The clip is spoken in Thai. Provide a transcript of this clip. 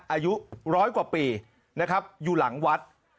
อายุร้อยกว่าปีนะครับอยู่หลังวัด